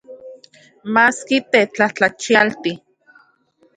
Maski tetlajtlachialti.